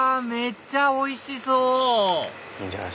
めっちゃおいしそう！